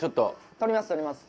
撮ります撮ります。